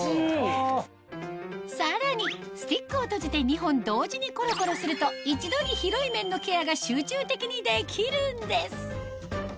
さらにスティックを閉じて２本同時にコロコロすると一度に広い面のケアが集中的にできるんです！